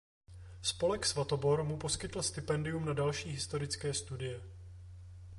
Spolek Svatobor mu poskytl stipendium na další historické studie.